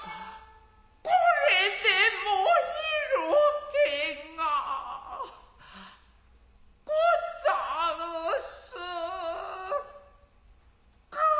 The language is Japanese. これでも色気がござんすか。